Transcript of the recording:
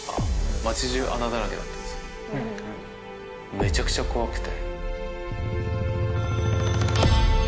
めちゃくちゃ怖くて。